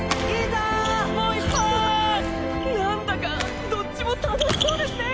なんだかどっちも楽しそうですね！